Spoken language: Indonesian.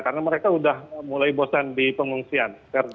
karena mereka sudah mulai bosan di pengungsian